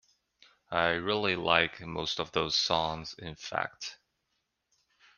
I really like most of those songs, in fact.